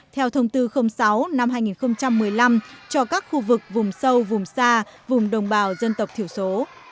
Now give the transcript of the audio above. theo thông tư sáu hai nghìn một mươi năm cho các khu vực vùng sâu vùng xa vùng đồng bào dân tộc thiểu số